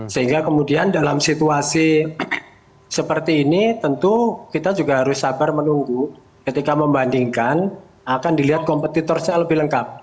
sehingga kemudian dalam situasi seperti ini tentu kita juga harus sabar menunggu ketika membandingkan akan dilihat kompetitornya lebih lengkap